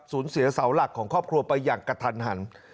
เสียเสาหลักของครอบครัวไปอย่างกระทันหัน